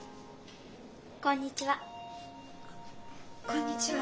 こんにちは。